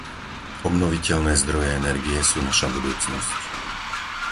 Obnoviteľné zdroje energie sú naša budúcnosť.